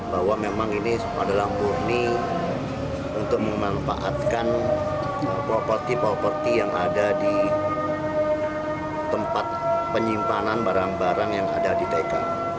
bahwa memang ini adalah murni untuk memanfaatkan properti properti yang ada di tempat penyimpanan barang barang yang ada di tk